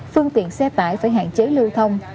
phương tiện xe tải phải hạn chế lưu thông